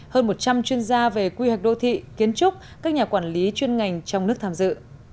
hơn một trăm linh chuyên gia về quy hoạch đô thị kiến trúc các nhà quản lý chuyên ngành trong nước tham dự